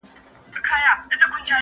o چي غورځي، هغه پرځي.